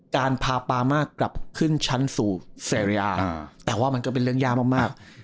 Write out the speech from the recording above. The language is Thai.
การพาปามากลับขึ้นชั้นสู่เซริยาแต่ว่ามันก็เป็นเรื่องยากมาก